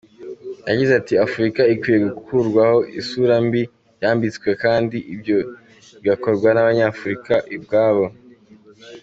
Yagize ati “ Afurika ikwiye gukurwaho isura mbi yambitswe kandi ibyo bigakorwa n’Abanyafurika ubwabo.